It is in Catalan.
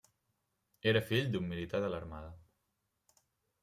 Era fill d'un militar de l'Armada.